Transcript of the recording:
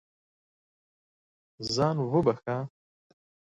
ځان وبښه.